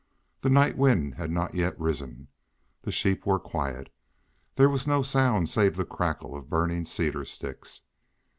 The night wind had not yet risen; the sheep were quiet; there was no sound save the crackle of burning cedar sticks.